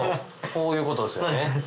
こういうことですよね